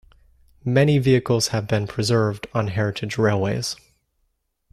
Many vehicles have been preserved on heritage railways.